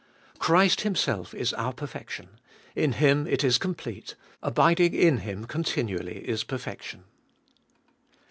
Christ Himself is our perfection ; in Him it is complete ; abiding in Him continually is perfection.